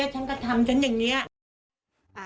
ไม่ถูกกับฉันน่ะ